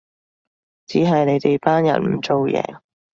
只係你哋班人唔做嘢